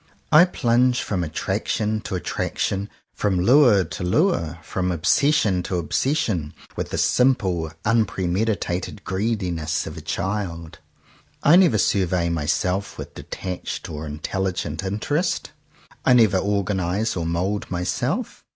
I plunge from attraction to attraction, from lure to lure from obsession to obsession, with the simple unpremeditated greediness of a child. I never survey myself with detached and in telligent interest. I never organize or mould myself.